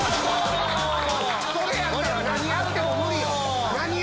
それやったら何やっても無理やん！